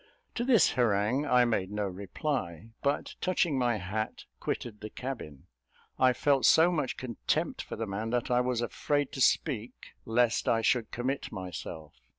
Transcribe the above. To this harangue I made no reply; but, touching my hat, quitted the cabin. I felt so much contempt for the man that I was afraid to speak, lest I should commit myself.